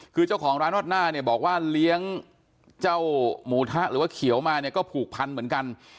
คือเจ้าของร้านนวดหน้าเนี่ยบอกว่าเลี้ยงเจ้าหมูทะหรือว่าเขียวมาเนี่ยก็ผูกพันเหมือนกัน